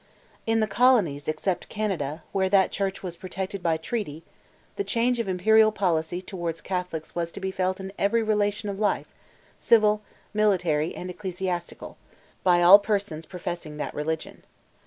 In the colonies, except Canada, where that church was protected by treaty, the change of Imperial policy towards Catholics was to be felt in every relation of life, civil, military, and ecclesiastical, by all persons professing that religion.